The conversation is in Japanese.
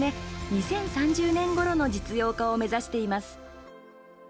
２０３０年ごろの実用化を目指しています。